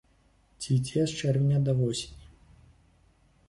Цвіце з чэрвеня да восені.